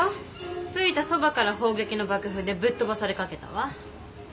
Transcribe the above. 着いたそばから砲撃の爆風でぶっ飛ばされかけたわ。